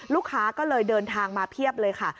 ลูกค้าก็เลยเดินทางมาเพียบเลยค่ะ